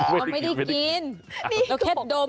เราไม่ได้กินเราแค่ดม